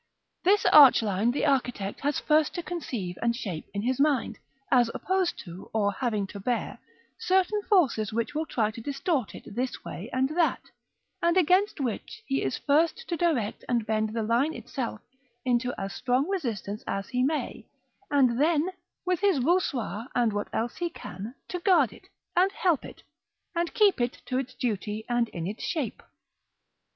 This arch line the architect has first to conceive and shape in his mind, as opposed to, or having to bear, certain forces which will try to distort it this way and that; and against which he is first to direct and bend the line itself into as strong resistance as he may, and then, with his voussoirs and what else he can, to guard it, and help it, and keep it to its duty and in its shape.